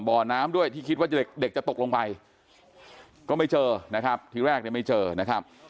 บ่อน้ำด้วยที่คิดว่าเด็กจะตกลงไปก็ไม่เจอนะครับทีแรกเนี่ยไม่เจอนะครับ